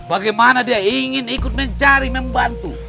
bagaimana dia ingin ikut mencari membantu